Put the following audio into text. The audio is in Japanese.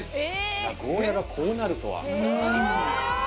ゴーヤがこうなるとは。